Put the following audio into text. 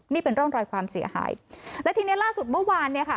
นี่เป็นร่องรอยความเสียหายและทีเนี้ยล่าสุดเมื่อวานเนี่ยค่ะ